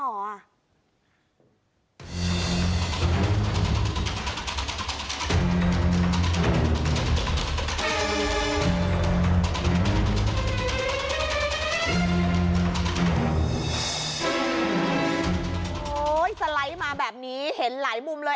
โอ้โหสไลด์มาแบบนี้เห็นหลายมุมเลย